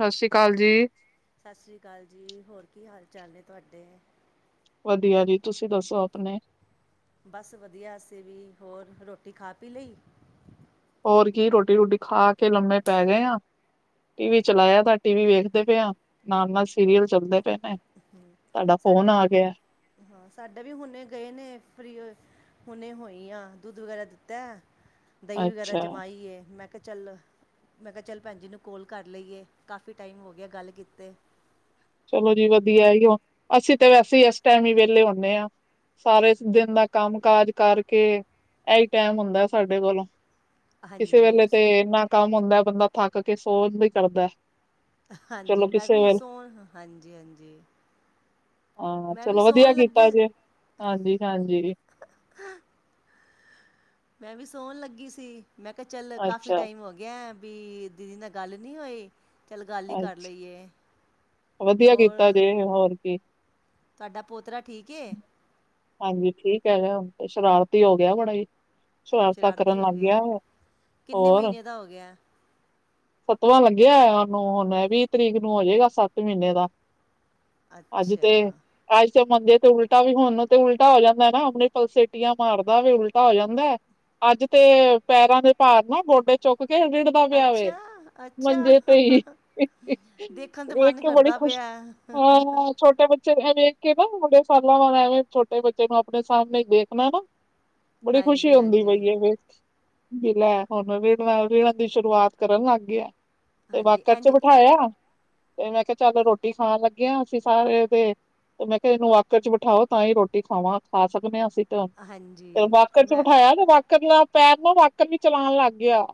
ਸਤਿ ਸ਼੍ਰੀ ਕਾਲ ਜੀ। ਸਤਿ ਸ਼੍ਰੀ ਕਾਲ ਜੀ! ਹੋਰ ਕੀ ਹਾਲ ਚਾਲ ਨੇ ਤੁਆਡੇ? ਵਧੀਆ ਜੀ! ਤੁਸੀਂ ਦੱਸੋ ਆਪਨੇ। ਬਸ ਵਧੀਆ ਅਸੀਂ ਵੀ ਹੋਰ ਰੋਟੀ ਖਾ ਪੀ ਲਈ। ਹੋਰ ਕੀ ਰੋਟੀ ਰੁਟੀ ਖਾ ਕੇ ਲੰਮੇ ਪੈ ਗਏ ਆ। ਟੀ ਵੀ ਚਲਾਇਆ ਦਾ ਟੀ ਵੀ ਵੇਖਦੇ ਪਏ ਆ ਨਾਲ- ਨਾਲ ਸੀਰੀਅਲ ਚੱਲਦੇ ਪਏ ਨੇ। ਤੁਹਾਡਾ ਫੋਨ ਸਾਡੇ ਵੀ ਆ ਗਿਆ ਹਾਂ, ਸਾਡੇ ਵੀ ਹੁਨੇ ਗਏ ਨੇ ਫਰੀ ਹੋ ਹੁਨੇ ਹੋਈ ਆਂ, ਦੁੱਧ ਵਗੈਰਾ ਦਿੱਤਾ, ਦਹੀਂ ਵਗੈਰਾ ਅੱਛਾ ਜਮਾਈ ਏ, ਮੈਂ ਮੈਂ ਕਿਹਾ ਚੱਲ, ਮੈਂ ਕਿਹਾ ਚੱਲ ਭੈਨ ਜੀ ਨੂੰ ਕੋਲ ਕਰ ਲਈਏ ਕਾਫੀ ਟਾਈਮ ਹੋ ਗਿਆ ਗੱਲ ਕੀਤੇ। ਚਲੋ ਜੀ ਵਧੀਆ ਏਉ, ਅਸੀਂ ਤੇ ਵੈਸੇ ਹੀ ੲਸ ਟਾਈਮ ਈ ਵੇਲੇ ਹੁੰਨੇ ਆਂ। ਸਾਰੇ ਦਿਨ ਦਾ ਕੰਮ ਕਾਜ ਕਰਕੇ ਐਈ ਟਾਈਮ ਹੁੰਦਾ ਸਾਡੇ ਕੋਲੋ। ਕਿਸੇ ਹਾਂਜੀ ਵੇਲੇ ਤੇ ਇੰਨਾ ਕੰਮ ਹੁੰਦਾ ਬੰਦਾ ਥੱਕ ਕੇ ਸੌਨ ਦੀ ਕਰਦਾ। ਹਾਂਜੀ, ਚਲੋ ਮੈਂ ਕਿਸੇ ਵੀ ਵੇਲੇ ਸੌਂਨ ਹਾਂਜੀ-ਹਾਂਜੀ। ਹਾਂ, ਚਲੋ ਵਧੀਆ ਕੀਤਾ ਜੇ ਹਾਂਜੀ-ਹਾਂਜੀ। ਮੈਂ ਵੀ ਸੋਨ ਲੱਗੀ ਸੀ। ਮੈਂ ਕਿਆ ਚੱਲ ਕਾਫ਼ੀ ਅੱਛਾ। ਟਾਈਮ ਹੋ ਗਿਆ ਵੀ ਦੀਦੀ ਨਾਲ ਗੱਲ ਨੀ ਹੋਈ, ਚੱਲ ਗੱਲ ਹੀ ਅੱਛਾ। ਕਰ ਲਈਏ। ਵਧੀਆ ਹੋਰ ਕੀਤਾ ਜੇ ਹੋਰ ਕੀ ਤੁਆਡਾ ਪੋਤਰਾ ਠੀਕ ਏ। ਹਾਂਜੀ ਠੀਕ ਐਗਾ ਹੁਨ ਤੇ, ਸ਼ਰਾਰਤੀ ਹੋ ਗਿਆ ਬੜਾ ਈ। ਸ਼ਰਾਰਤਾਂ ਸ਼ਰਾਰਤੀ ਕਰਨ ਹੋ ਲੱਗ ਗਿਆ ਔ ਕਿੰਨੇ ਹੋਰ। ਮਹੀਨੇ ਦਾ ਹੋ ਗਿਆ ਸੱਤਵਾਂ ਲੱਗਿਆਂ ਉਨੂੰ ਹੁਨ ਐ ਵੀ ਤਰੀਕ ਨੂੰ ਹੋ ਜੇਗਾ ਸੱਤ ਮੀਨੇ ਦਾ। ਅੱਜ ਅੱਛਾ ਤੇ-ਅੱਜ ਤੇ ਮੰਜੇ ਤੇ ਉਲਟਾ ਵੀ ਹੋਨ ਨੂੰ ਤੇ ਉਲਟਾ ਹੋ ਜਾਂਦਾ ਨਾ ਆਪਨੇ ਪਲਸੇਟੀਆਂ ਮਾਰਦਾ ਵੇ ਉਲਟਾ ਹੋ ਜਾਂਦਾ। ਅੱਜ ਤੇ ਪੈਰਾਂ ਦੇ ਭਾਰ ਨਾ ਗੋਡੇ ਚੁੱਕ ਕੇ ਰਿੜ ਅੱਛਾ-ਅੱਛਾ, ਦੇਖਨ ਤੇ ਵੇਖ ਮਨ ਕੇ ਬੜੀ ਕਰਦਾ ਖੁਸ਼ ਬਏਆ। ਹਾਂ ਹ-ਹ-ਹ। ਛੋਟੇ ਬੱਚੇ ਨੂੰ ਐ ਵੇਖ ਕੇ ਨਾ ਬੜੇ ਸਾਲਾਂ ਬਾਅਦ ਐਵੇਂ ਛੋਟੇ ਬੱਚੇ ਨੂੰ ਆਪਨੇ ਸਾਹਮਨੇ ਦੇਖਣਾ ਨਾ ਬੜੀ ਖੁਸ਼ੀ ਹਾਂਜੀ ਹੁੰਦੀ ਹਾਂਜੀ ਪਈ ਐ ਫੇਰ। ਵੀ ਲੈ ਹੁਣ ਵਿੜਨ ਦੀ ਸ਼ੁਰੂਆਤ ਕਰਨ ਲੱਗ ਗਿਆ ਤੇ ਹਾਂਜੀ ਵਾਕਰ 'ਚ ਇੰਜ ਬਿਠਾਇਆ। ਤੇ ਮੈਂ ਕਿਹਾ ਚੱਲ ਰੋਟੀ ਖਾਣ ਲੱਗੇ ਆ ਅਸੀਂ ਸਾਰੇ ਤੇ, ਤੇ ਮੈਂ ਕਿਹਾ ਇਹਨੂੰ ਵਾਕਰ 'ਚ ਬਿਠਾਓ। ਤਾਂ ਹੀ ਰੋਟੀ ਖਾਵਾਂ ਖਾ ਸਕਦੇ ਆ ਅਸੀਂ ਤਾ, ਹਾਂਜੀ ਤੇ ਵਾਕਰ 'ਚ ਮੈਂ ਬਿਠਾਇਆ ਤੇ ਵਾਕਰ ਨਾਲ। ਪੈਰ ਨਾ ਵਾਕਰ ਤੇ ਚਲਾਣ ਲੱਗ ਗਿਆ,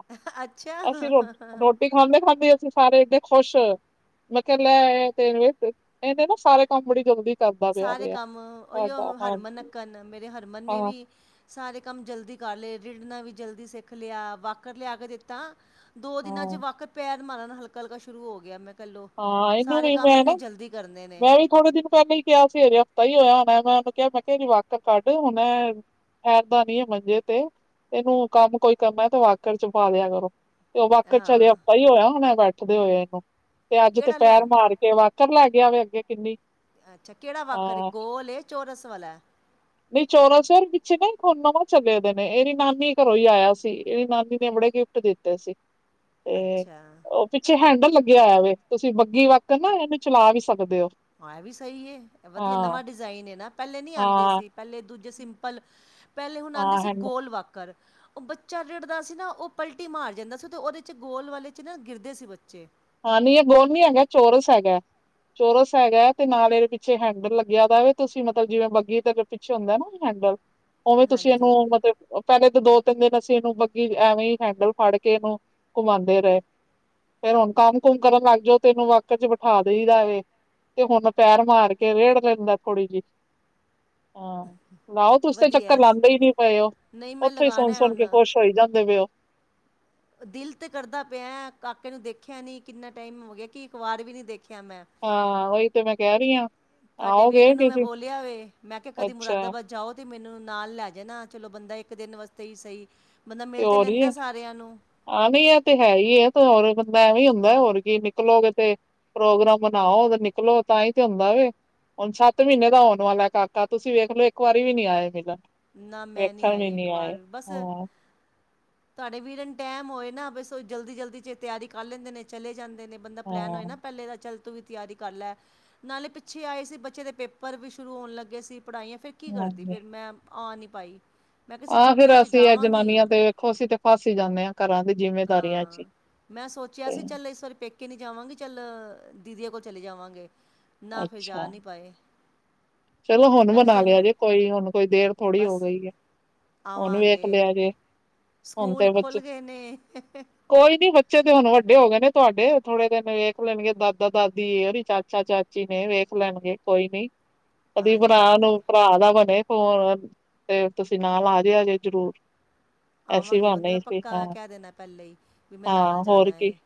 ਅਸੀਂ ਰੋ ਅੱਛਾ ਰੋਟੀ ਰੋਟੀ ਖਾਂਦੇ ਖਾਂਦੇ ਅਸੀਂ ਸਾਰੇ ਇੰਨੇ ਖੁਸ਼ ਹੋਏ। ਮੈਂ ਕਿਹਾ ਲੈ ਆ ਤੇ ਇਹ ਤੇ ਇਹਨੇ ਨਾ ਸਾਰੇ ਕੰਮ ਬੜੀ ਜਲਦੀ। ਕਰਦਾ ਪਿਆ ਸਾਰੇ ਵੇ ਆ ਕੰਮ ਉਹੀਓ ਸਾਡਾ ਹਰਮਨ ਹਾਂਜੀ ਨੱਕਣ ਮੇਰੇ ਹਰਮਨ ਨੇ ਹਾਂ ਵੀ। ਸਾਰੇ ਕੰਮ ਜਲਦੀ ਕਰ ਲਏ ਰਿੜਨਾ ਵੀ ਜਲਦੀ ਸਿੱਖ ਲਿਆ ਵਾਕਰ ਲਿਆ ਕੇ ਦਿੱਤਾ। ਦੋ ਦਿਨਾਂ 'ਚ ਹਾਂ ਵਾਕਰ ਪੈਰ ਮਾਰਨ ਹਲਕਾ ਹਲਕਾ ਸ਼ੁਰੂ ਹੋ ਗਿਆ ਮੈਂ। ਚਲੋ ਹਾਂ ਇਹਨੂੰ ਸਾਰੇ ਵੀ ਕੰਮ ਮੈਂ ਇੰਨੇ ਨਾ ਜਲਦੀ ਕਰਨੇ ਨੇ। ਮੈਂ ਵੀ ਥੋੜੇ ਦਿਨ ਪਹਿਲਾਂ ਈ ਕਿਹਾ ਸੀ ਹਜੇ ਹਫ਼ਤਾ ਈ ਹੋਇਆ ਹੋਣਾ ਮੈਂ ਉਹਨੂੰ ਕਿਹਾ ਮੈਂ ਕਿਹਾ ਇਹਦੀ ਵਾਕਰ ਕੱਢ ਹੁਣ। ਐਦਾ ਨੀ ਮੰਜੇ ਤੇ, ਇਹਨੂੰ ਕੰਮ ਕੋਈ ਕਰਨਾ ਤੇ ਵਾਕਰ 'ਚ ਪਾ ਦਿਆ ਕਰੋ। ਤੇ ਉਹ ਵਾਕਰ 'ਚ ਹਜੇ ਹਾਂ ਹਫ਼ਤਾ ਹੀ ਹੋਇਆ ਹੋਣਾ ਬੈਠਦੇ ਹੋਏ ਆ ਇਹਨੂੰ। ਤੇ ਅੱਜ ਤੇ ਕਿਹੜਾ ਲਿਆਂ ਪੈਰ ਮਾਰ ਕੇ ਵਾਕਰ ਲੈ ਗਿਆ ਵੇ ਅੱਗੇ ਕਿੰਨੀ। ਅੱਛਾ ਕਿਹੜਾ ਵਾਕਰ ਏ ਹਾਂ ਗੋਲ ਏ ਚੋਰਸ ਵਾਲਾ? ਨਹੀਂ ਚੋਰਸ ਔਰ ਪਿੱਛੇ ਨਾ ਹੁਣ ਨਵੇਂ ਚਲੇੇਦੇ ਨੇ ਇਹ ਦੀ ਨਾਨੀ ਘਰੋਂ ਈ ਆਇਆ ਸੀ ਇਹ ਦੀ ਨਾਨੀ ਨੇ ਬੜੇ ਦਿੱਤਾ ਸੀ, ਤੇ ਅੱਛਾ ਉਹ ਪਿੱਛੇ ਹੈਂਡਲ [unintelligible] ਤੁਸੀਂ ਬੱਗੀ ਵਕਤ ਨਾ ਇਹਨੂੰ ਚਲਾ ਵੀ ਸਕਦੇ ਔ। ਆ ਵੀ ਸਹੀ ਵਧੀਆ ਨਵਾਂ ਡਿਜ਼ਾਇਨ ਨਾ ਪਹਿਲੇ ਨੀ ਆਦੇ ਹਾਂ ਸੀ। ਪਹਿਲੇ ਦੂਜੇ ਸਿੰਪਲ, ਪਹਿਲੇ ਹੁਣ ਆਦੇ ਹਾਂ ਸੀ ਹੈਂਡਲ ਗੋਲ ਵਾਕਰ ਉਹ ਬੱਚਾ ਰਿੜਦਾ ਸੀ ਨਾ ਉਹ ਪਲਟੀ ਮਾਰ ਜਾਂਦਾ ਸੀ ਤੇ ਉਹਦੇ ਗੋਲ ਵਾਲੇ ਨਾ ਗਿਰਦੇ ਸੀ ਬੱਚੇ। ਹਾਂ ਨੀ ਇਹ ਗੋਲ ਨੀ ਹੈਗਾ ਚੋਰਸ ਹੈਗਾ। ਚੋਰਸ ਹੈਗਾ ਐ ਤੇ ਨਾਲ ਇਹਦੇ ਪਿੱਛੇ ਹੈਂਡਲ ਲੱਗਿਆ ਦਾ ਵੇ ਤੁਸੀਂ ਮਤਲਬ ਜਿਵੇਂ ਬੱਗੀ ਤੇ ਪਿੱਛੇ ਹੁੰਦਾ ਨਾ ਹੈਂਡਲ, ਉਵੇਂ ਤੁਸੀਂ ਹਾਂਜੀ ਇਹਨੂੰ ਮਤਲਬ ਪਹਿਲੇ ਤਾਂ ਦੋ ਤਿੰਨ ਦਿਨ ਅਸੀਂ ਇਹਨੂੰ ਬੱਗੀ ਐਵੇਂ ਈ ਹੈਂਡਲ ਫੜ ਕੇ ਇਹਨੂੰ ਘੁਮਾਦੇ ਰੇ। ਫੇਰ ਹੁਣ ਕੰਮ ਕੁਮ ਕਰਨ ਲੱਗ ਜਾਓ ਤੈ ਐਨੂੰ ਵਾਕਰ ਚ ਬਿਠਾ ਦੇਈ ਦਾ ਵੇ। ਤੇ ਹੁਣ ਪੈਰ ਮਾਰ ਕੇ ਰੇੜ ਲੈਂਦਾ ਥੋੜ੍ਹੀ ਜਿਹੀ। ਹਾਂ ਲਾਓ ਤੁਸੀ ਤੇ ਵਧੀਆ ਚੱਕਰ ਏ, ਲਾਂਦੇ ਈ ਨੀ ਪਏ ਓ, ਨਹੀਂ ਮੈਂ ਉੱਥੋਂ ਈ ਸੁਣ ਲਗਾਣਾ ਸੁਣ ਹੁਣ ਕੇ ਖੁਸ਼ ਹੋਈ ਜਾਂਦੇ ਪਏ ਓ, ਦਿਲ ਤੇ ਕਰਦਾ ਪਿਆ ਕਾਕੇ ਨੂੰ ਦੇਖਿਆ ਨੀ ਕਿੰਨਾ ਟਾਈਮ ਹੋ ਗਿਆ ਕਿ ਇੱਕ ਵਾਰ ਵੀ ਨੀ ਦੇਖਿਆ ਮੈਂ। ਹਾਂ ਉਈ ਤੇ ਮੈਂ ਕਹਿ ਰੀ ਆ। ਤੁਹਾਡੇ ਵੀਰੇ ਨੂੰ ਮੈਂ ਬੋਲਿਆ ਵੇ ਮੈਂ ਕਿਹਾ ਕਦੀ ਅੱਛਾ ਮੁਰਾਦਾਬਾਦ ਜਾਓ ਤੇ ਮੈਨੂੰ ਨਾਲ ਲੈ ਜਾਣਾ ਚਲੋ ਬੰਦਾ ਇੱਕ ਦਿਨ ਵਾਸਤੇ ਈ ਸਹੀ, ਬੰਦਾ ਮਿਲ ਤੇ ਲੈਂਦਾ ਸਾਰਿਆਂ ਨੂੰ ਆਹੀਂ ਇਹ ਤੇ ਹੈ ਈ ਐ ਤੇ ਹੋਰ ਬੰਦਾ ਐਵੇਂ ੳ ਹੁੰਦਾ ਹੋਰ ਕੀ ਨਿਕਲੋਗੇ ਤੇ ਪ੍ਰੋਗਰਾਮ ਬਨਾਓ ਤੇ ਨਿਕਲੋ ਤਾਂਹੀ ਤੇ ਹੁੰਦਾ ਵੇ ਹੁਣ ਸੱਤ ਮਹੀਨੇ ਦਾ ਹੋਣ ਵਾਲਾ ਕਾਕਾ ਤੁਸੀਂ ਵੇਖ ਲੋ ਇੱਕ ਵਾਰੀ ਵੀ ਨੀ ਆਏ ਮਿਲਨ ਨਾ ਮੈਂ ਨਹੀਂ ਵੇਖਣ ਵੀ ਆਈ ਇੱਕ ਨੀ ਵਾਰ ਆਏ, ਵੀ ਬਸ ਹਾਂ। ਤੁਹਾਡੇ ਵੀਰੇ ਨੂੰ ਟਾਈਮ ਹੋਏ ਨਾ ਬਸ ਉਹ ਜਲਦੀ ਜਲਦੀ ਚ ਤਿਆਰੀ ਕਰ ਲੈਂਦੇ ਨੇ ਚਲੇ ਜਾਂਦੇ ਨੇ। ਬੰਦਾ ਪਲੈਨ ਹੋਏ ਹਾਂ ਨਾ ਪਹਿਲੇ ਦਾ ਚੱਲਦਾ ਤੋਂ ਵੀ ਤਿਆਰੀ ਕਰ ਲੈ, ਨਾਲੇ ਪਿੱਛੇ ਆਏ ਸੀ ਬੱਚੇ ਦੇ ਪੇਪਰ ਵੀ ਸ਼ੁਰੂ ਹੋਣ ਲੱਗੇ ਸੀ ਪੜ੍ਹਾਈਆਂ ਫਿਰ ਕੀ ਕਰਦੀ ਹਾਂਜੀ ਫਿਰ ਮੈਂ ਆ ਨੀ ਪਾਈ। ਮੈਂ ਕਿਸੇ ਆਹ ਫੇਰ ਛੁੱਟੀਆਂ 'ਚ ਅਸੀਂ ਇਹ ਜਾਵਾਂਗੀ ਜਨਾਨੀਆਂ ਤੇ ਵੇਖੋ ਅਸੀਂ ਤੇ ਫਸ ਈ ਜਾਨੇ ਆ ਘਰਾਂ ਦੇ ਜਿਵੇਂ ਹਾਂ, ਮੈਂ ਸੋਚਿਆ ਸੀ ਚੱਲ ਇਸ ਵਾਰੀ ਪੇਕ ਕਿ ਨੀ ਜਾਵਾਂਗੇ ਚੱਲ ਦੀਦੀਆਂ ਕੋਲ ਚਲੇ ਜਾਵਾਂਗੇ। ਨਾ ਫਿਰ ਜਾ ਅੱਛਾ ਨੀ ਪਾਏ। ਚਲੋ ਹੁਣ ਮੈਂ ਕਿਹਾ ਬਨਾ ਚੱਲ ਲਿਆ ਜੇ ਕੋਈ ਹੁਣ ਕੋਈ ਦੇਰ ਥੋੜੀ ਹੋ ਬਸ ਗਈ ਏ। ਹੁਣ ਵੇਖ ਆਵਾਂਗੇ ਲਿਆ ਜੇ। ਹੁਣ ਸਕੂਲ ਤੇ ਬੱਚੇ ਖੁੱਲ੍ਹ ਗੇ ਨੇ। ਕੋਈ ਨੀ ਬੱਚੇ ਤੇ ਹੁਣ ਵੱਡੇ ਹੋ ਗਏ ਨੇ ਤੁਆਡੇ, ਥੋੜੇ ਦਿਨ ਵੇਖ ਲੈਣਗੇ ਦਾਦਾ- ਦਾਦੀ ਏ ਓਰੀ ਚਾਚਾ- ਚਾਚ- ਚੀ ਨੇ ਵੇਖ ਲੈਣਗੇ ਕੋਈ ਨੀ। ਕਦੀ ਭਰਾ ਹਾਂਜੀ ਨੂੰ ਭਰਾ ਦਾ ਬਣੇ ਫੋਨ ਤੇ ਤੁਸੀਂ ਨਾਲ ਆ ਜਿਆ ਜੇ ਜਰੂਰ ਐਸੀ ਆਵਾਂਗੇ ਹੁਣ ਤੇ ਬਾਣੇ ਈ ਮੈਂ ਸੀ ਪੱਕਾ ਹਾਂ, ਮੈਂ ਕਹਿ ਦੇਣਾ ਪਹਿਲੇ ਹੀ ਵੀ ਮੈਂ ਹਾਂ ਨਾਲ ਹੋਰ ਜਾਣਾ ਕੀ। ਹੈ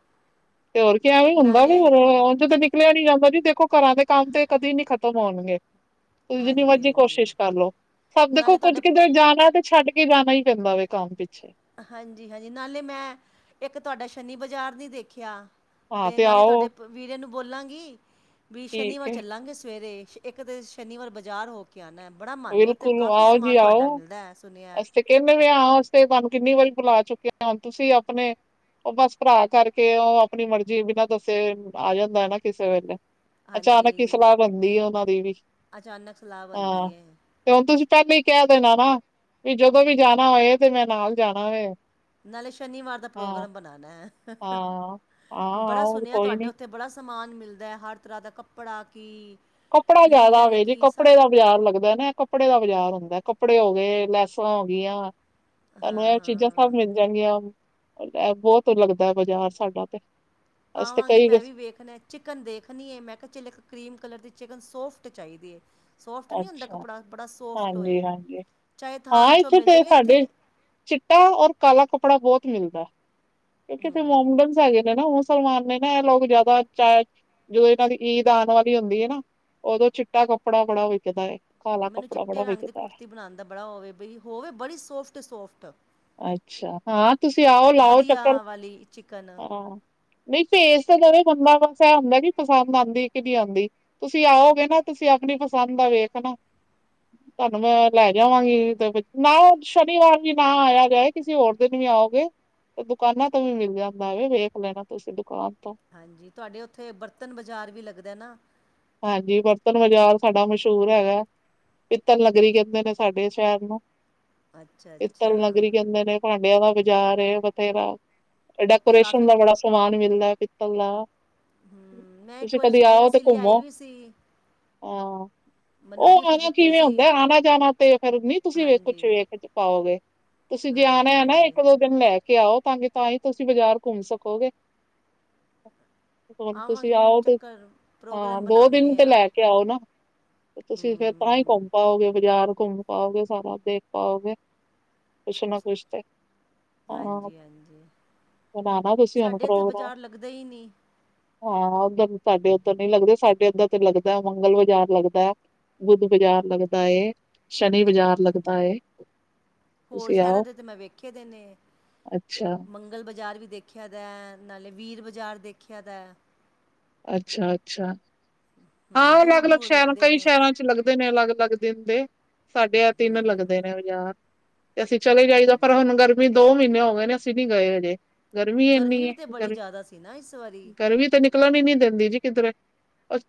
ਤੇ ਹੋਰ ਕੀ ਐਂਵੀ ਹੁੰਦਾ ਵੀ ਨਾਲੇ ਹੋਰ ਉਂਜ ਕਦੀ- ਨਿਕਲਿਆ ਨੀ ਜਾਂਦਾ ਜੀ, ਦੇਖੋ ਘਰਾਂ ਦੇ ਕੰਮ ਤੇ ਕਦੇ ਨੀ ਖਤਮ ਹੋਣਗੇ। ਤੁਸੀਂ ਜਿੰਨੀ ਹਾਂਜੀ ਮਰਜ਼ੀ ਹਾਂਜੀ ਕੋਸ਼ਿਸ਼ ਕਰਲੋ। ਸਭ ਦੇਖੋ ਨਾਲੇ ਕੁੱਝ ਤੁਹਾਡੇ ਕਿਧਰੇ ਜਾਣਾ ਤੇ- ਛੱਡ ਕੇ ਜਾਣਾ ਈ ਪੈਂਦਾ ਵੇ ਕੰਮ ਪਿੱਛੇ। ਹਾਂਜੀ ਹਾਂਜੀ ਨਾਲੇ ਮੈਂ ਇੱਕ ਤੁਆਡਾ ਸ਼ਨੀ ਬਾਜ਼ਾਰ ਨੀ ਦੇਖਿਆ। ਹਾਂ ਤੇ ਨਾਲੇ ਤੁਆਡੇ ਆਓ ਪ ਵੀਰੇ ਨੂੰ ਬੋਲਾਂਗੀ, ਵੀ ਠੀਕ ਸ਼ਨੀਵਾਰ ਹੈ ਚੱਲਾਂਗੇ ਸਵੇਰੇ ਸ਼- ਇੱਕ ਤੇ ਸ਼ਨੀਵਾਰ ਬਾਜ਼ਾਰ ਹੋ ਕੇ ਆਣਾ, ਬੜਾ ਮੰਨੇ ਏ ਓਥੇ ਬਿਲਕੁਲ ਕਾਫੀ ਸਮਾਨ ਤੁਆਡਾ ਮਿਲਦਾ ਐ ਸੁਣਿਆ। ਕੇਨੇ ਵੇ ਆਂ ਆਨ ਵਾਸਤੇ ਤਾਨੂੰ ਕਿੰਨੀ ਵਰੀ ਬੁਲਾ ਚੁੱਕੇ ਆਂ। ਹੁਣ ਤੁਸੀਂ ਆਪਣੇ- ਓ ਬਸ ਭਰਾ ਕਰਕੇ, ਓ ਆਪਣੀ ਮਰਜ਼ੀ ਬਿਨਾਂ ਦੱਸੇ ਆ ਜਾਂਦਾ ਏ ਨਾ ਕਿਸੇ ਵੇਲੇ। ਅਚਾਨਕ ਈ ਹਾਂਜੀ ਸਲਾ ਬਣਦੀ ਓਨਾਂ ਦੀ ਵੀ। ਅਚਾਨਕ ਸਲਾਹ ਹਾਂ ਬਣਦੀ ਹੈ ਤੇ ਹੁਣ ਤੁਸੀਂ ਪੈਲੇ ਈ ਕੈ ਦੇਣਾ ਨਾ ਵੀ ਜਦੋਂ ਵੀ ਜਾਣਾ ਹੋਏ ਤੇ ਮੈਂ ਨਾਲ ਜਾਣਾ ਵੇ। ਨਾਲੇ ਸ਼ਨੀਵਾਰ ਦਾ ਹਾਂ ਪ੍ਰੋਗਰਾਮ ਬਣਾਣਾ ਹਾਹਾ। ਹਾਂ ਹਾਂ ਬੜਾ ਉਹ ਸੁਣਿਆ ਕੋਈ ਤੁਆਡੇ ਨੀ ਓਥੇ- ਬੜਾ ਸਮਾਨ ਮਿਲਦਾ, ਹਰ ਤਰ੍ਹਾਂ ਦਾ ਕੱਪੜਾ ਕੀ- ਕੱਪੜਾ ਜਾਦਾ ਲੀਲਨ ਵੇ ਜੀ, ਕੀ ਕੱਪੜੇ ਸਾਰਾ ਦਾ ਬਾਜ਼ਾਰ ਲੱਗਦਾ ਨਾ। ਕੱਪੜੇ ਦਾ ਬਾਜ਼ਾਰ ਹੁੰਦਾ। ਕੱਪੜੇ ਹੋ ਗੇ, ਲੈਸਾਂ ਹੋ ਗੀਆਂ। ਤਾਨੂੰ ਹਾਂ ਐ ਚੀਜ਼ਾਂ ਹਾਂ ਸਭ ਮਿਲਦੀ- ਜਾਣਗੀਆਂ। ਐ ਬੋਤ ਲੱਗਦਾ ਬਾਜ਼ਾਰ ਸਾਡਾ ਤੇ। ਅਸੀਂ ਤੇ ਆਵਾਂਗੀ ਮੈਂ ਕਈ ਵੀ ਵੇਖਣਾ। ਚਿਕਨ ਦੇਖਣੀ ਏ, ਮੈਂ ਕਿਆ ਚੱਲ ਇੱਕ ਕ੍ਰੀਮ ਕਲਰ ਦੀ ਚਿਕਨ ਸੋਫਟ ਚਾਈਦੀ ਏ। ਸੋਫਟ ਨੀ ਹੁੰਦਾ ਅੱਛਾ, ਕੱਪੜਾ ਬੜਾ ਸੋਫਟ ਓਏ, ਹਾਂਜੀ-ਹਾਂਜੀ, ਚਾਅ ਥਾਣ ਹਾਂ ਚੋਂ ਇੱਥੇ ਮਿਲ ਤੇ ਜੇ। ਏਥੇ ਸਾਡੇ ਚਿੱਟਾ ਔਰ ਕਾਲਾ ਕੱਪੜਾ ਬੋਤ ਮਿਲਦਾ, ਕਿਉਂਕਿ ਏਥੇ ਹੂੰ ਮੋਮਡਨ ਹੈਗੇ ਨੇ ਨਾ ਓ ਸਾ- ਮੁਸਲਮਾਨ ਨੇ ਨਾ, ਐ ਲੋਗ ਜਾਦਾ ਚਾਏ- ਜਦੋਂ ਏਨਾਂ ਦੀ ਈਦ ਆਣ ਵਾਲੀ ਹੁੰਦੀ ਏ ਨਾ, ਓਦੋਂ ਚਿੱਟਾ ਕੱਪੜਾ ਬੜਾ ਵਿਕਦਾ ਏ। ਮੈਨੂੰ ਚਿੱਟੇ ਰੰਗ ਦੀ ਕੁੜਤੀ ਬਣਾਣ ਦਾ ਬੜਾ ਓ ਵੇ, ਬਈ ਹੋਵੇ ਬੜੀ ਸੋਫਟ ਸੋਫਟ। ਅੱਛਾ। ਹਾਂ ਤੁਸੀਂ ਆਓ ਲਾਓ ਵਧੀਆ ਚੱਕਰ, ਵਾਲੀ ਚਿਕਨ ਹਾਂ। ਨਈ ਭੇਜ ਤਾਂ ਦਵੇ ਬੰਦਾ, ਬਸ ਐ ਹੁੰਦਾ ਕੀ ਪਸੰਦ ਆਂਦੀ ਕੀ ਨਈ ਆਂਦੀ। ਤੁਸੀਂ ਆਓਗੇ ਨਾ ਤੁਸੀਂ ਆਪਣੀ ਪਸੰਦ ਦਾ ਵੇਖਨਾ। ਤਾਨੂੰ ਮੈਂ ਲੈ ਜਾਵਾਂਗੀ ਤੇ ਵਿੱਚ, ਨਾ ਸ਼ਨੀਵਾਰ ਵੀ ਨਾ ਆਇਆ। ਚਾਏ ਕਿਸੀ ਹੋਰ ਦਿਨ ਵੀ ਆਓਗੇ ਤੇ ਦੁਕਾਨਾਂ ਤੋਂ ਵੀ ਮਿਲ ਜਾਂਦਾ ਵੇ, ਵੇਖ ਲੈਣਾ ਤੁਸੀਂ ਦੁਕਾਨ ਤੋਂ। ਹਾਂਜੀ ਤੁਆਡੇ ਓਥੇ ਬਰਤਨ ਬਾਜ਼ਾਰ ਵੀ ਲੱਗਦਾ ਨਾ। ਹਾਂਜੀ ਬਰਤਨ ਬਾਜ਼ਾਰ ਸਾਡਾ ਮਸ਼ਹੂਰ ਹੈਗਾ। ਪਿੱਤਲ ਨਗਰੀ ਕੈਂਦੇ ਨੇ ਸਾਡੇ ਸੈ਼ਰ ਨੂੰ, ਅੱਛਾ ਪਿੱਤਲ ਅੱਛਾ ਨਗਰੀ ਕੈਂਦੇ ਨੇ। ਭਾਂਡਿਆਂ ਦਾ ਬਾਜ਼ਾਰ ਏ ਬਥੇਰਾ। ਏ ਉੱਥੇ ਡੈਕੋਰੇਸ਼ਨ ਕਾਫੀ ਦਾ ਬੜਾ- ਸਮਾਨ ਮਿਲਦਾ ਪਿੱਤਲ ਦਾ। ਹੂੰ ਮੈਂ ਇੱਕ ਤੁਸੀਂ ਵਾਰੀ ਕਦੀ ਸੁਣਿਆ ਆਓ ਤੇ ਸੀ, ਲਿਆਈ ਘੁੰਮੋ ਵੀ ਸੀ। ਓ ਮੈਨੂੰ ਗਿਫਟ ਆਣਾ ਦਿੱਤੇ ਕਿਵੇਂ ਹੋ ਸੀ ਗਿਆ, ਆਣਾ ਜਾਣਾ ਤੇ ਫੇਰ ਨਈ ਤੁਸੀਂ ਵੇਖ ਕੁਛ ਹਾਂਜੀ ਵੇਖ ਪਾਓਗੇ। ਤੁਸੀਂ ਜੇ ਆਣਾ ਹਾਂਜੀ ਆ ਨਾ ਹਾਂਜੀ ਇੱਕ ਦੋ ਦਿਨ ਲੈ ਕੇ ਆਓ ਤਾਂ ਕੀ ਤਾਂ ਈ ਤੁਸੀਂ ਬਾਜ਼ਾਰ ਘੁੰਮ ਸਕੋਗੇ। ਹੋਰ ਤੁਸੀਂ ਆਵਾਂਗੀ ਹੁਣ ਆਓ ਤੇ ਚੱਕਰ ਹਾਂ ਪ੍ਰੋਗਰਾਮ ਦੋ ਦਿਨ ਬਣਾਉਂਦੇ ਤੇ ਹਾਂ ਲੈਕੇ ਆਓ ਨਾ, ਤੁਸੀਂ ਫੇਰ ਤਾਂ ਈ ਹੂੰ ਘੁੰਮ ਪਾਓਗੇ, ਬਜ਼ਾਰ ਘੁੰਮ ਪਾਓਗੇ, ਸਾਰਾ ਦੇਖ ਪਾਓਗੇ, ਕੁਛ ਨਾ ਕੁਛ ਤੇ। ਹਾਂ, ਹਾਂਜੀ ਹਾਂਜੀ ਬਣਾਣਾ ਤੁਸੀਂ ਹੁਣ ਸਾਡੇ ਇੱਥੇ ਪ੍ਰੋਗਰਾਮ। ਬਾਜ਼ਾਰ ਲੱਗਦਾ ਹੀ ਨਹੀਂ ਹਾਂ, ਉੱਧਰ ਸਾਡੇ ਉੱਧਰ ਨੀ ਲੱਗਦੇ, ਸਾ ਏਧਰ ਤੇ ਲੱਗਦਾ ਮੰਗਲ ਬਜ਼ਾਰ ਲੱਗਦਾ, ਬੁੱਧ ਬਾਜ਼ਾਰ ਲੱਗਦਾ ਏ। ਸ਼ਨੀ ਬਜ਼ਾਰ ਲੱਗਦਾ ਏ। ਹੋਰ ਤੁਸੀਂ ਸ਼ਹਿਰਾਂ ਆਓ ਦੇ ਤਾਂ ''ਮੈਂ ਵੇਖੇਦੇ ਨੇ, ਅੱਛਾ ‌ਮੰ ਮੰਗਲ ਬਜ਼ਾਰ ਵੀ ਦੇਖਿਆ ਦਾ, ਨਾਲੇ ਵੀਰ ਬਜ਼ਾਰ ਦੇਖਿਆ ਦਾ। ਅੱਛਾ-ਅੱਛਾ, ਹੂੰ ਹਾਂ ਦੂਰ ਅਲੱਗ-ਅਲੱਗ ਦੂਰ ਸ਼ਹਿਰਾਂ ਲੱਗਦੇ ਕਈ ਨੇ ਸ਼ਹਿਰਾਂ'ਚ ਲੱਗ ਦੇ ਨੇ ਅਲੱਗ-ਅਲੱਗ ਦਿਨ ਦੇ, ਸਾਡੇ ਐ ਹੂੰ ਤਿੰਨ ਹੂੰ ਲੱਗਦੇ ਨੇ ਬਜ਼ਾਰ। ਤੇ ਅਸੀਂ ਚਲੇ ਜਾਈਦਾ, ਪਰ ਹੁਣ ਗਰਮੀ ਦੋ ਮਹੀਨੇ ਹੋ ਗਏ ਨੇ, ਅਸੀਂ ਨੀ ਗਏ ਹਜੇ। ਗਰਮੀ ਇੰਨੀ ਏ ਵੀ ਤਾਂ ਬੜੀ ਗਰਮੀ, ਜ਼ਿਆਦਾ ਸੀ ਨਾ ਇਸ ਵਾਰੀ ਗਰਮੀ ਤੇ ਨਿਕਲਣ ਹੀ ਨੀ ਦਿੰਦੀ ਜੀ ਕਿੱਧਰੇ।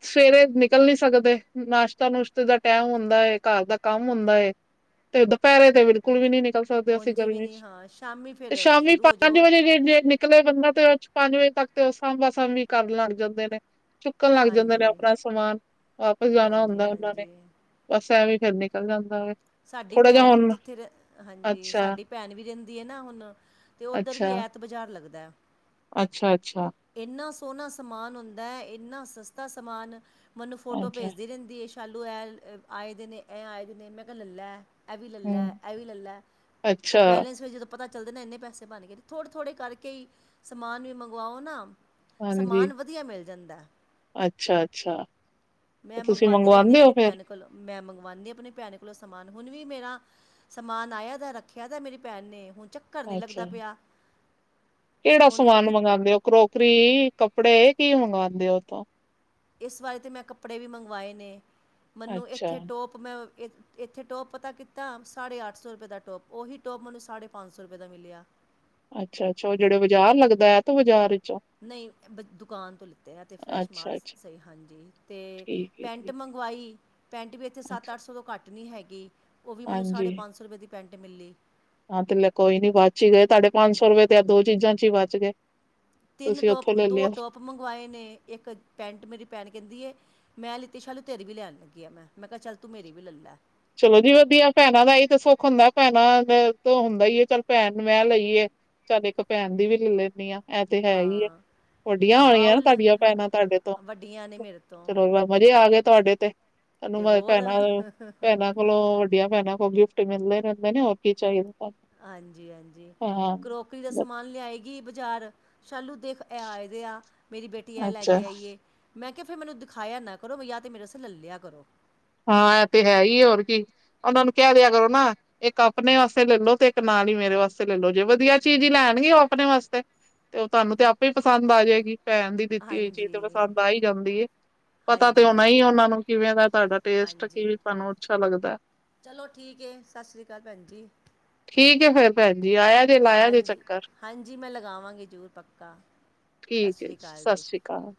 ਸਵੇਰੇ ਨਿਕਲ ਨੀ ਸਕਦੇ, ਨਾਸ਼ਤਾ-ਨੁਸ਼ਤੇ ਦਾ ਟਾਈਮ ਹੁੰਦਾ ਏ, ਘਰ ਦਾ ਕੰਮ ਹੁੰਦਾ ਏ। ਤੇ, ਦਪਹਿਰੇ ਤੇ ਬਿਲਕੁਲ ਵੀ ਨੀ ਨਿਕਲ ਸਕਦੇ ਹੋ ਅਸੀਂ ਉਂਝ ਵੀ ਨਹੀਂ ਗਰਮੀ'ਚ, ਹਾਂ ਸ਼ਾਮੀ ਤੇ ਫਿਰ ਸ਼ਾਮੀ ਸ਼ੁਰੂ ਹੋ ਪੰਜ ਜਾਓ ਵਜੇ ਡੇੇ ਨਿਕਲ ਨਿਕਲਿਆ ਕਰਨਾ, ਤੇ ਉਹ ਪੰਜ ਵਜੇ ਤੱਕ ਤੇ ਉਹ ਸਾਂਭਾ-ਸਾਂਭੀ ਕਰਨ ਲੱਗ ਜਾਂਦੇ ਨੇ, ਚੁੱਕਣ ਲੱਗ ਜਾਂਦੇ ਨੇ ਹਾਂਜੀ ਅਪਣਾ ਸਮਾਨ, ਵਾਪਸ ਜਾਣਾ ਹਾਂਜੀ ਹੁੰਦਾ ਉਹਨਾਂ ਨੇ, ਹਾਂਜੀ ਬਸ ਐਵੇਂ ਫੇਰ ਨਿਕਲ ਜਾਂਦਾ ਵੇ। ਸਾਡੀ ਥੋੜਾ ਜਿਹਾ ਭੈਣ ਹੁਣ ਜਿੱਥੇ ਰਹੇਂ, ਹਾਂਜੀ ਅੱਛਾ ਸਾਡੀ ਭੈਣ ਵੀ ਰਹਿੰਦੀ ਏ ਨਾ ਹੁਣ, ਤੇ ਉੱਧਰ ਵੀ ਐ ਤ ਬਜ਼ਾਰ ਲੱਗਦੈ। ਅੱਛਾ-ਅੱਛਾ। ਇੰਨਾ ਸੋਹਣਾ ਸਮਾਨ ਹੁੰਦਾ ਐ, ਇੰਨਾ ਸਸਤਾ ਸਮਾਨ, ਮਨੂੰ ਫੋਟੋ ਅੱਛਾ ਭੇਜਦੀ ਰਹਿੰਦੀ ਏ। ਤੱਲੂ ਐ, ਆਏਦੇ ਨੇ, ਐ ਆਏਦੇ ਨੇ, ਮੈਂ ਕਿਹਾ ਲੱਲੈ। ਐ ਵੀ ਲੱਲੈ, ਹੂੰ, ਐਵੀ ਲੱਲੈ, ਓ ਅੱਛਾ, ਬੈਲੇੈਂਸ ਵਿੱਚ ਜਦੋ ਪਤਾ ਚੱਲਦੇ ਨੇ ਇੰਨੇ ਪੈਸੇ ਬਣ ਗਏ ਨੇ, ਥੋੜੇ-ਥੋੜੇ ਕਰਕੇ ਈ ਸਮਾਨ ਵੀ ਮੰਗਵਾਓ ਨਾ ਹਾਂਜੀ, ਸਮਾਨ ਵਧੀਆ ਮਿਲ ਜਾਂਦਾ। ਅੱਛਾ-ਅੱਛਾ, ਮੈਂ ਤੁਸੀਂ ਮੰਗਵਾਂਦੀ ਰਹਿੰਦੀ ਆ ਮੰਗਵਾਉਂਦੇ ਹੋ ਆਪਣੀ ਫੇਰ? ਭੈਣ ਕੋਲ, ਮੈਂ ਮੰਗਵਾਂਨੀ ਆ ਆਪਣੀ ਭੈਣ ਲੋ ਸਮਾਨ, ਹੁਣ ਵੀ ਮੇਰਾ ਸਮਾਨ ਆਇਆ ਦਾ ਰੱਖਿਆ ਦਾ ਮੇਰੀ ਭੈਣ ਨੇ, ਹੁਣ ਚ ਕਰ ਨਹੀਂ ਅੱਛਾ, ਲੱਗਦਾ ਪਿਆ। ਕਿਹੜਾ ਹੁਣ ਸਮਾਨ ਕਿ ਮੰਗਾਂਦੇ ਓ, ਕਰੋਕਰੀ ਕੱਪੜੇ ਕੀ ਮੰਗਵਾਂਦੇ ਓ ਓਥੋਂ? ਇਸ ਵਾਰੀ ਤੇ ਮੈਂ ਕੱਪੜੇ ਵੀ ਮੰਗਵਾਏ ਨੇ, ਮਨੂੰ ਅੱਛਾ, ਇੱਥੇ ਟੋਪ ਮੈਂ ਇੱਥੇ ਟੋਪ ਪਤਾ ਕੀਦਾ, ਸਾਢੇ ਅੱਠ ਸੌ ਰੁਪਏ ਦਾ ਟੋਪ, ਓਹੀ ਟੋਪ ਮਨੂੰ ਸਾਢੇ ਪੰਜ- ਸੌ ਰੁਪਏ ਦਾ ਮਿਲਿਆ। ਅੱਛਾ-ਅੱਛਾ, ਉਹ ਜਿਹੜਾ ਬਾਜ਼ਾਰ ਲੱਗਦਾ, ਐਤ ਬਾਜ਼ਾਰ ਵਿਚ? ਨਹੀਂ ਬ ਦੁਕਾਨ ਤੋਂ ਲਿੱਤੇ ਆ, ਐਥੇ ਫਰੈਸ਼ ਮਾਲ ਸੀ, ਅੱਛਾ-ਅੱਛਾ। ਸਹੀ ਹਾਂਜੀ ਤੇ ਠੀਕ ਹੈ, ਪੈਂਟ ਠੀਕ ਮੰਗਵਾਈ, ਪੈਂਟ ਵੀ ਇੱਥੇ ਅੱਛਾ, ਸੱਤ-ਅੱਠ ਸੌ ਤੋਂ ਘੱਟ ਟ ਨਹੀਂ ਹੈਗੀ, ਉਹ ਵੀ ਮਨੂੰ ਸਾਢੇ ਹਾਂਜੀ। ਪੰਜਸੌ ਰੁਪਏ ਦੀ ਪੈਂਟ ਮਿਲੀ। ਹਾਂ, ਤੇ ਲੈ ਕੋਈ ਨੀ ਬਚ ਹੀ ਗਏ, ਤੁਹਾਡੇ ਪੰਜ ਸੌ ਰੁਪਏ ਤੇ ਐ ਦੋ ਚੀਜ਼ਾਂ'ਚ ਉ ਬਚ ਗਏ। ਤਿੰਨ ਤੁਸੀਂ ਟੋਪ, ਉੱਥੋਂ ਲੈ ਦੋ ਲਿਆ। ਟੋਪ ਮੰਗਵਾਏ ਨੇ, ਇੱਕ ਪੈਂਟ ਮੇਰੀ ਭੈਣ ਕਹਿੰਦੀ ਏ ਮੈਂ ਲਿੱਤੀ ਸ਼ਾਲੂ ਤੇਰੀ ਵੀ ਲੈਣ ਲੱਗੀ ਆ ਮੈਂ, ਮੈਂ ਕਿਹਾ ਚੱਲ ਤੂੰ ਮੇਰੀ ਵੀ ਲੱਲੈ। ਚਲੋ ਜੀ ਵਧੀਆ, ਭੈਣਾਂ ਦਾ ਏਹੀ ਤੇ ਸੁੱਖ ਹੁੰਦਾ, ਭੈਣਾਂ ਤੋ ਹੁੰਦਾ ਈ ਹੈ, ਚੱਲ ਭੈਣ ਮੈਂ ਲਈਏ ਚੱਲ ਇੱਕ ਭੈਣ ਦੀ ਵੀ ਲੱ ਲੈਂਨੀ ਆ, ਐ ਤੇ ਹੈਹੀ ਏ। ਹਾਂ ਵੱਡੀਆਂ ਹੋਣੀਆਂ ਨਾ ਬਾਊਲ ਤੁਹਾਡੀਆਂ ਭੈਣਾਂ ਤੁਹਾਡੇ ਤੋਂ, ਵੱਡੀਆਂ ਨੇ ਮੇਰੇ ਤੋਂ ਚਲੋ ਮਜ਼ੇ ਆ ਗਏ ਤੁਹਾਡੇ ਤੇ। ਤੁਹਾਨੂੰ ਤੇ ਮ ਹੋਰ ਭੈਣਾਂ, ਭੈਣਾਂ ਕੋਲੋਂ ਵੱਡੀਆਂ ਭੈਣਾਂ ਕੋਲੋਂ ਗਿਫਟ ਮਿਲਦੇ ਰਹਿੰਦੇ ਨੇ, ਹੋਰ ਕੀ ਚਾਹੀਦਾ। ਆਂਜੀ-ਆਂਜੀ, ਤੁਹਾਨੂੰ ਕਰੋਕਰੀ ਦਾ ਹਾਂ ਸਮਾਨ ਲਿਆਈ ਬਜਾਰ, ਸ਼ਾਲੂ ਦੇਖ ਐ ਆਇਦੇ ਆ, ਮੇਰੀ ਬੇਟੀ ਆ ਅੱਛਾ ਲੈਕੇ ਆਈ ਏ। ਮੈਂ ਕਿਹਾ ਫਿਰ ਮੈਨੂੰ ਦਿਖਾਇਆ ਨਾ ਕਰੋ, ਯਾ ਤੇ ਮੇਰੇ ਅਸਤੇ ਲੱਲਿਆ ਕਰੋ। ਹਾਂ, ਐ ਤੇ ਹੈਈ ਹੋਰ ਕੀ। ਉਹਨਾਂ ਨੂੰ ਕਹਿ ਦਿਆ ਕਰੋ ਨਾ ਇੱਕ ਆਪਣੇ ਵਾਸਤੇ ਲੈਲੋ ਤੇ ਇੱਕ ਨਾਲ ਈ ਮੇਰੇ ਵਾਸਤੇ ਲੈਲੋ ਜੇ ਵਧੀਆ ਚੀਜ਼ ਈ ਲੈਣਗੇ ਓ ਆਪਣੇ ਵਾਸਤੇ ਤੇ ਓ ਤੁਹਾਨੂੰ ਤੇ ਆਪੇ ਈ ਪਸੰਦ ਆਜੇਗੀ ਪੈਣ ਦੀ ਦਿੱਤੀ ਹੋਈ ਚੀਜ਼ ਤੇ ਹਾਂਜੀ ਪਸੰਦ ਆ ਈ ਜਾਂਦੀ ਏ ਪਤਾ ਤੇ ਹਾਂਜੀ ਹੋਣਾ ਈ ਹਾਂਜੀ ਉਹਨਾਂ ਨੂੰ ਕਿਵੇਂ ਦਾ ਤੁਹਾਡਾ ਟੇਸਟ ਹਾਂਜੀ, ਕਿਵੇਂ ਤੁਹਾਨੂੰ ਅੱਛਾ ਲੱਗਦਾ ਚਲੋ ਠੀਕ ਐ ਸਤਿ ਸ਼੍ਰੀ ਅਕਾਲ ਭੈਣ ਜੀ। ਠੀਕ ਐ ਫੇਰ ਭੈਣ ਜੀ ਆਇਆ ਜੇ ਲਾਇਆ ਜੇ ਹਾਂਜੀ ਚੱਕਰ। ਹਾਂਜੀ ਮੈਂ ਲਗਾਵਾਂਗੀ ਜ਼ਰੂਰ ਪੱਕਾ ਸਤਿ ਠੀਕ ਐ ਜੀ ਸ਼੍ਰੀ ਅਕਾਲ ਸਤਿ ਸ਼੍ਰੀ ਅਕਾਲ।